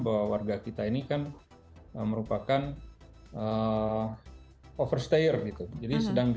koronavirus pokoknya akan menjadi tempat yang paling terlantar berurang